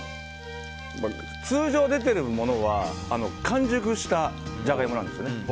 通常、出ているものは完熟したジャガイモなんですよね。